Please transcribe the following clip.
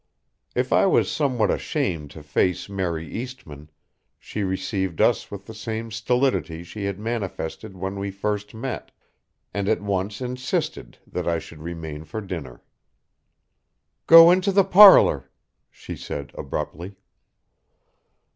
If I was somewhat ashamed to face Mary Eastmann, she received us with the same stolidity she had manifested when we first met, and at once insisted that I should remain for dinner. "Go into the parlor," she said abruptly.